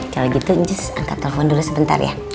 kalau gitu incis angkat telepon dulu sebentar ya